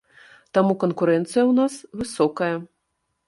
Таму канкурэнцыя ў нас высокая.